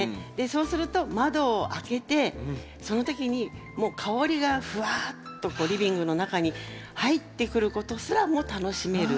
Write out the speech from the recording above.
そうすると窓を開けてその時にもう香りがふわっとこうリビングの中に入ってくることすらも楽しめる。